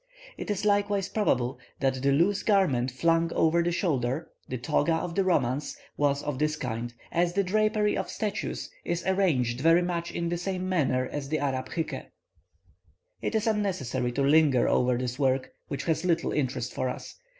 It is likewise probable that the loose garment flung over the shoulder, the toga of the Romans, was of this kind, as the drapery of statues is arranged very much in the same manner as the Arab hyke." It is unnecessary to linger over this work, which has little interest for us.